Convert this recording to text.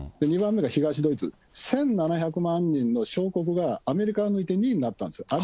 ２番目が東ドイツ、１７００万人の小国がアメリカを抜いて２位になったんですね。